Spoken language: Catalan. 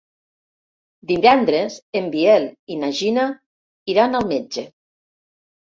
Divendres en Biel i na Gina iran al metge.